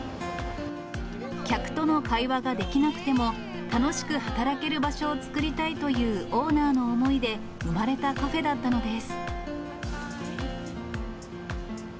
客との会話ができなくても、楽しく働ける場所を作りたいというオーナーの思いで生まれたカフェだったのです。